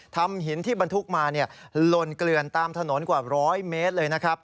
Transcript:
หินที่บรรทุกมาหล่นเกลือนตามถนนกว่าร้อยเมตรเลยนะครับ